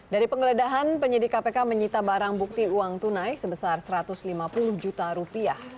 dari penggeledahan penyidik kpk menyita barang bukti uang tunai sebesar satu ratus lima puluh juta rupiah